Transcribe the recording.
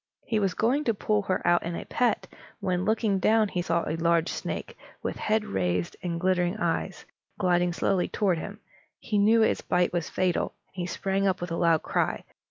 He was going to pull her out in a pet, when, looking down, he saw a large snake, with head raised and glittering eyes, gliding slowly toward him. He knew its bite was fatal, and he sprang up with a loud cry.